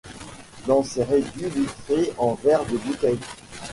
Dans ces réduits vitrés en verres de bouteille